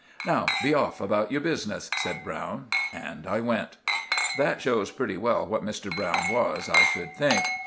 "Now be off about your business," said Browne, and I went. That shows pretty well what Mr. Browne was, I should think.